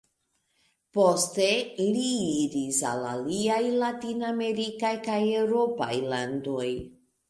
Poste, li iris al aliaj Latin-amerikaj kaj Eŭropaj landoj.